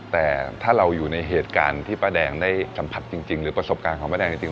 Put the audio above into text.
แต่ถ้าเราอยู่ในเหตุการณ์ที่ป้าแดงได้สัมผัสจริงหรือประสบการณ์ของป้าแดงจริง